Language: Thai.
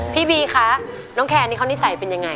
พี่บีคะน้องแคนนี่เขานิสัยเป็นยังไง